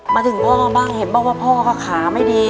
มาถึงพ่อบ้างเห็นบอกว่าพ่อก็ขาไม่ดี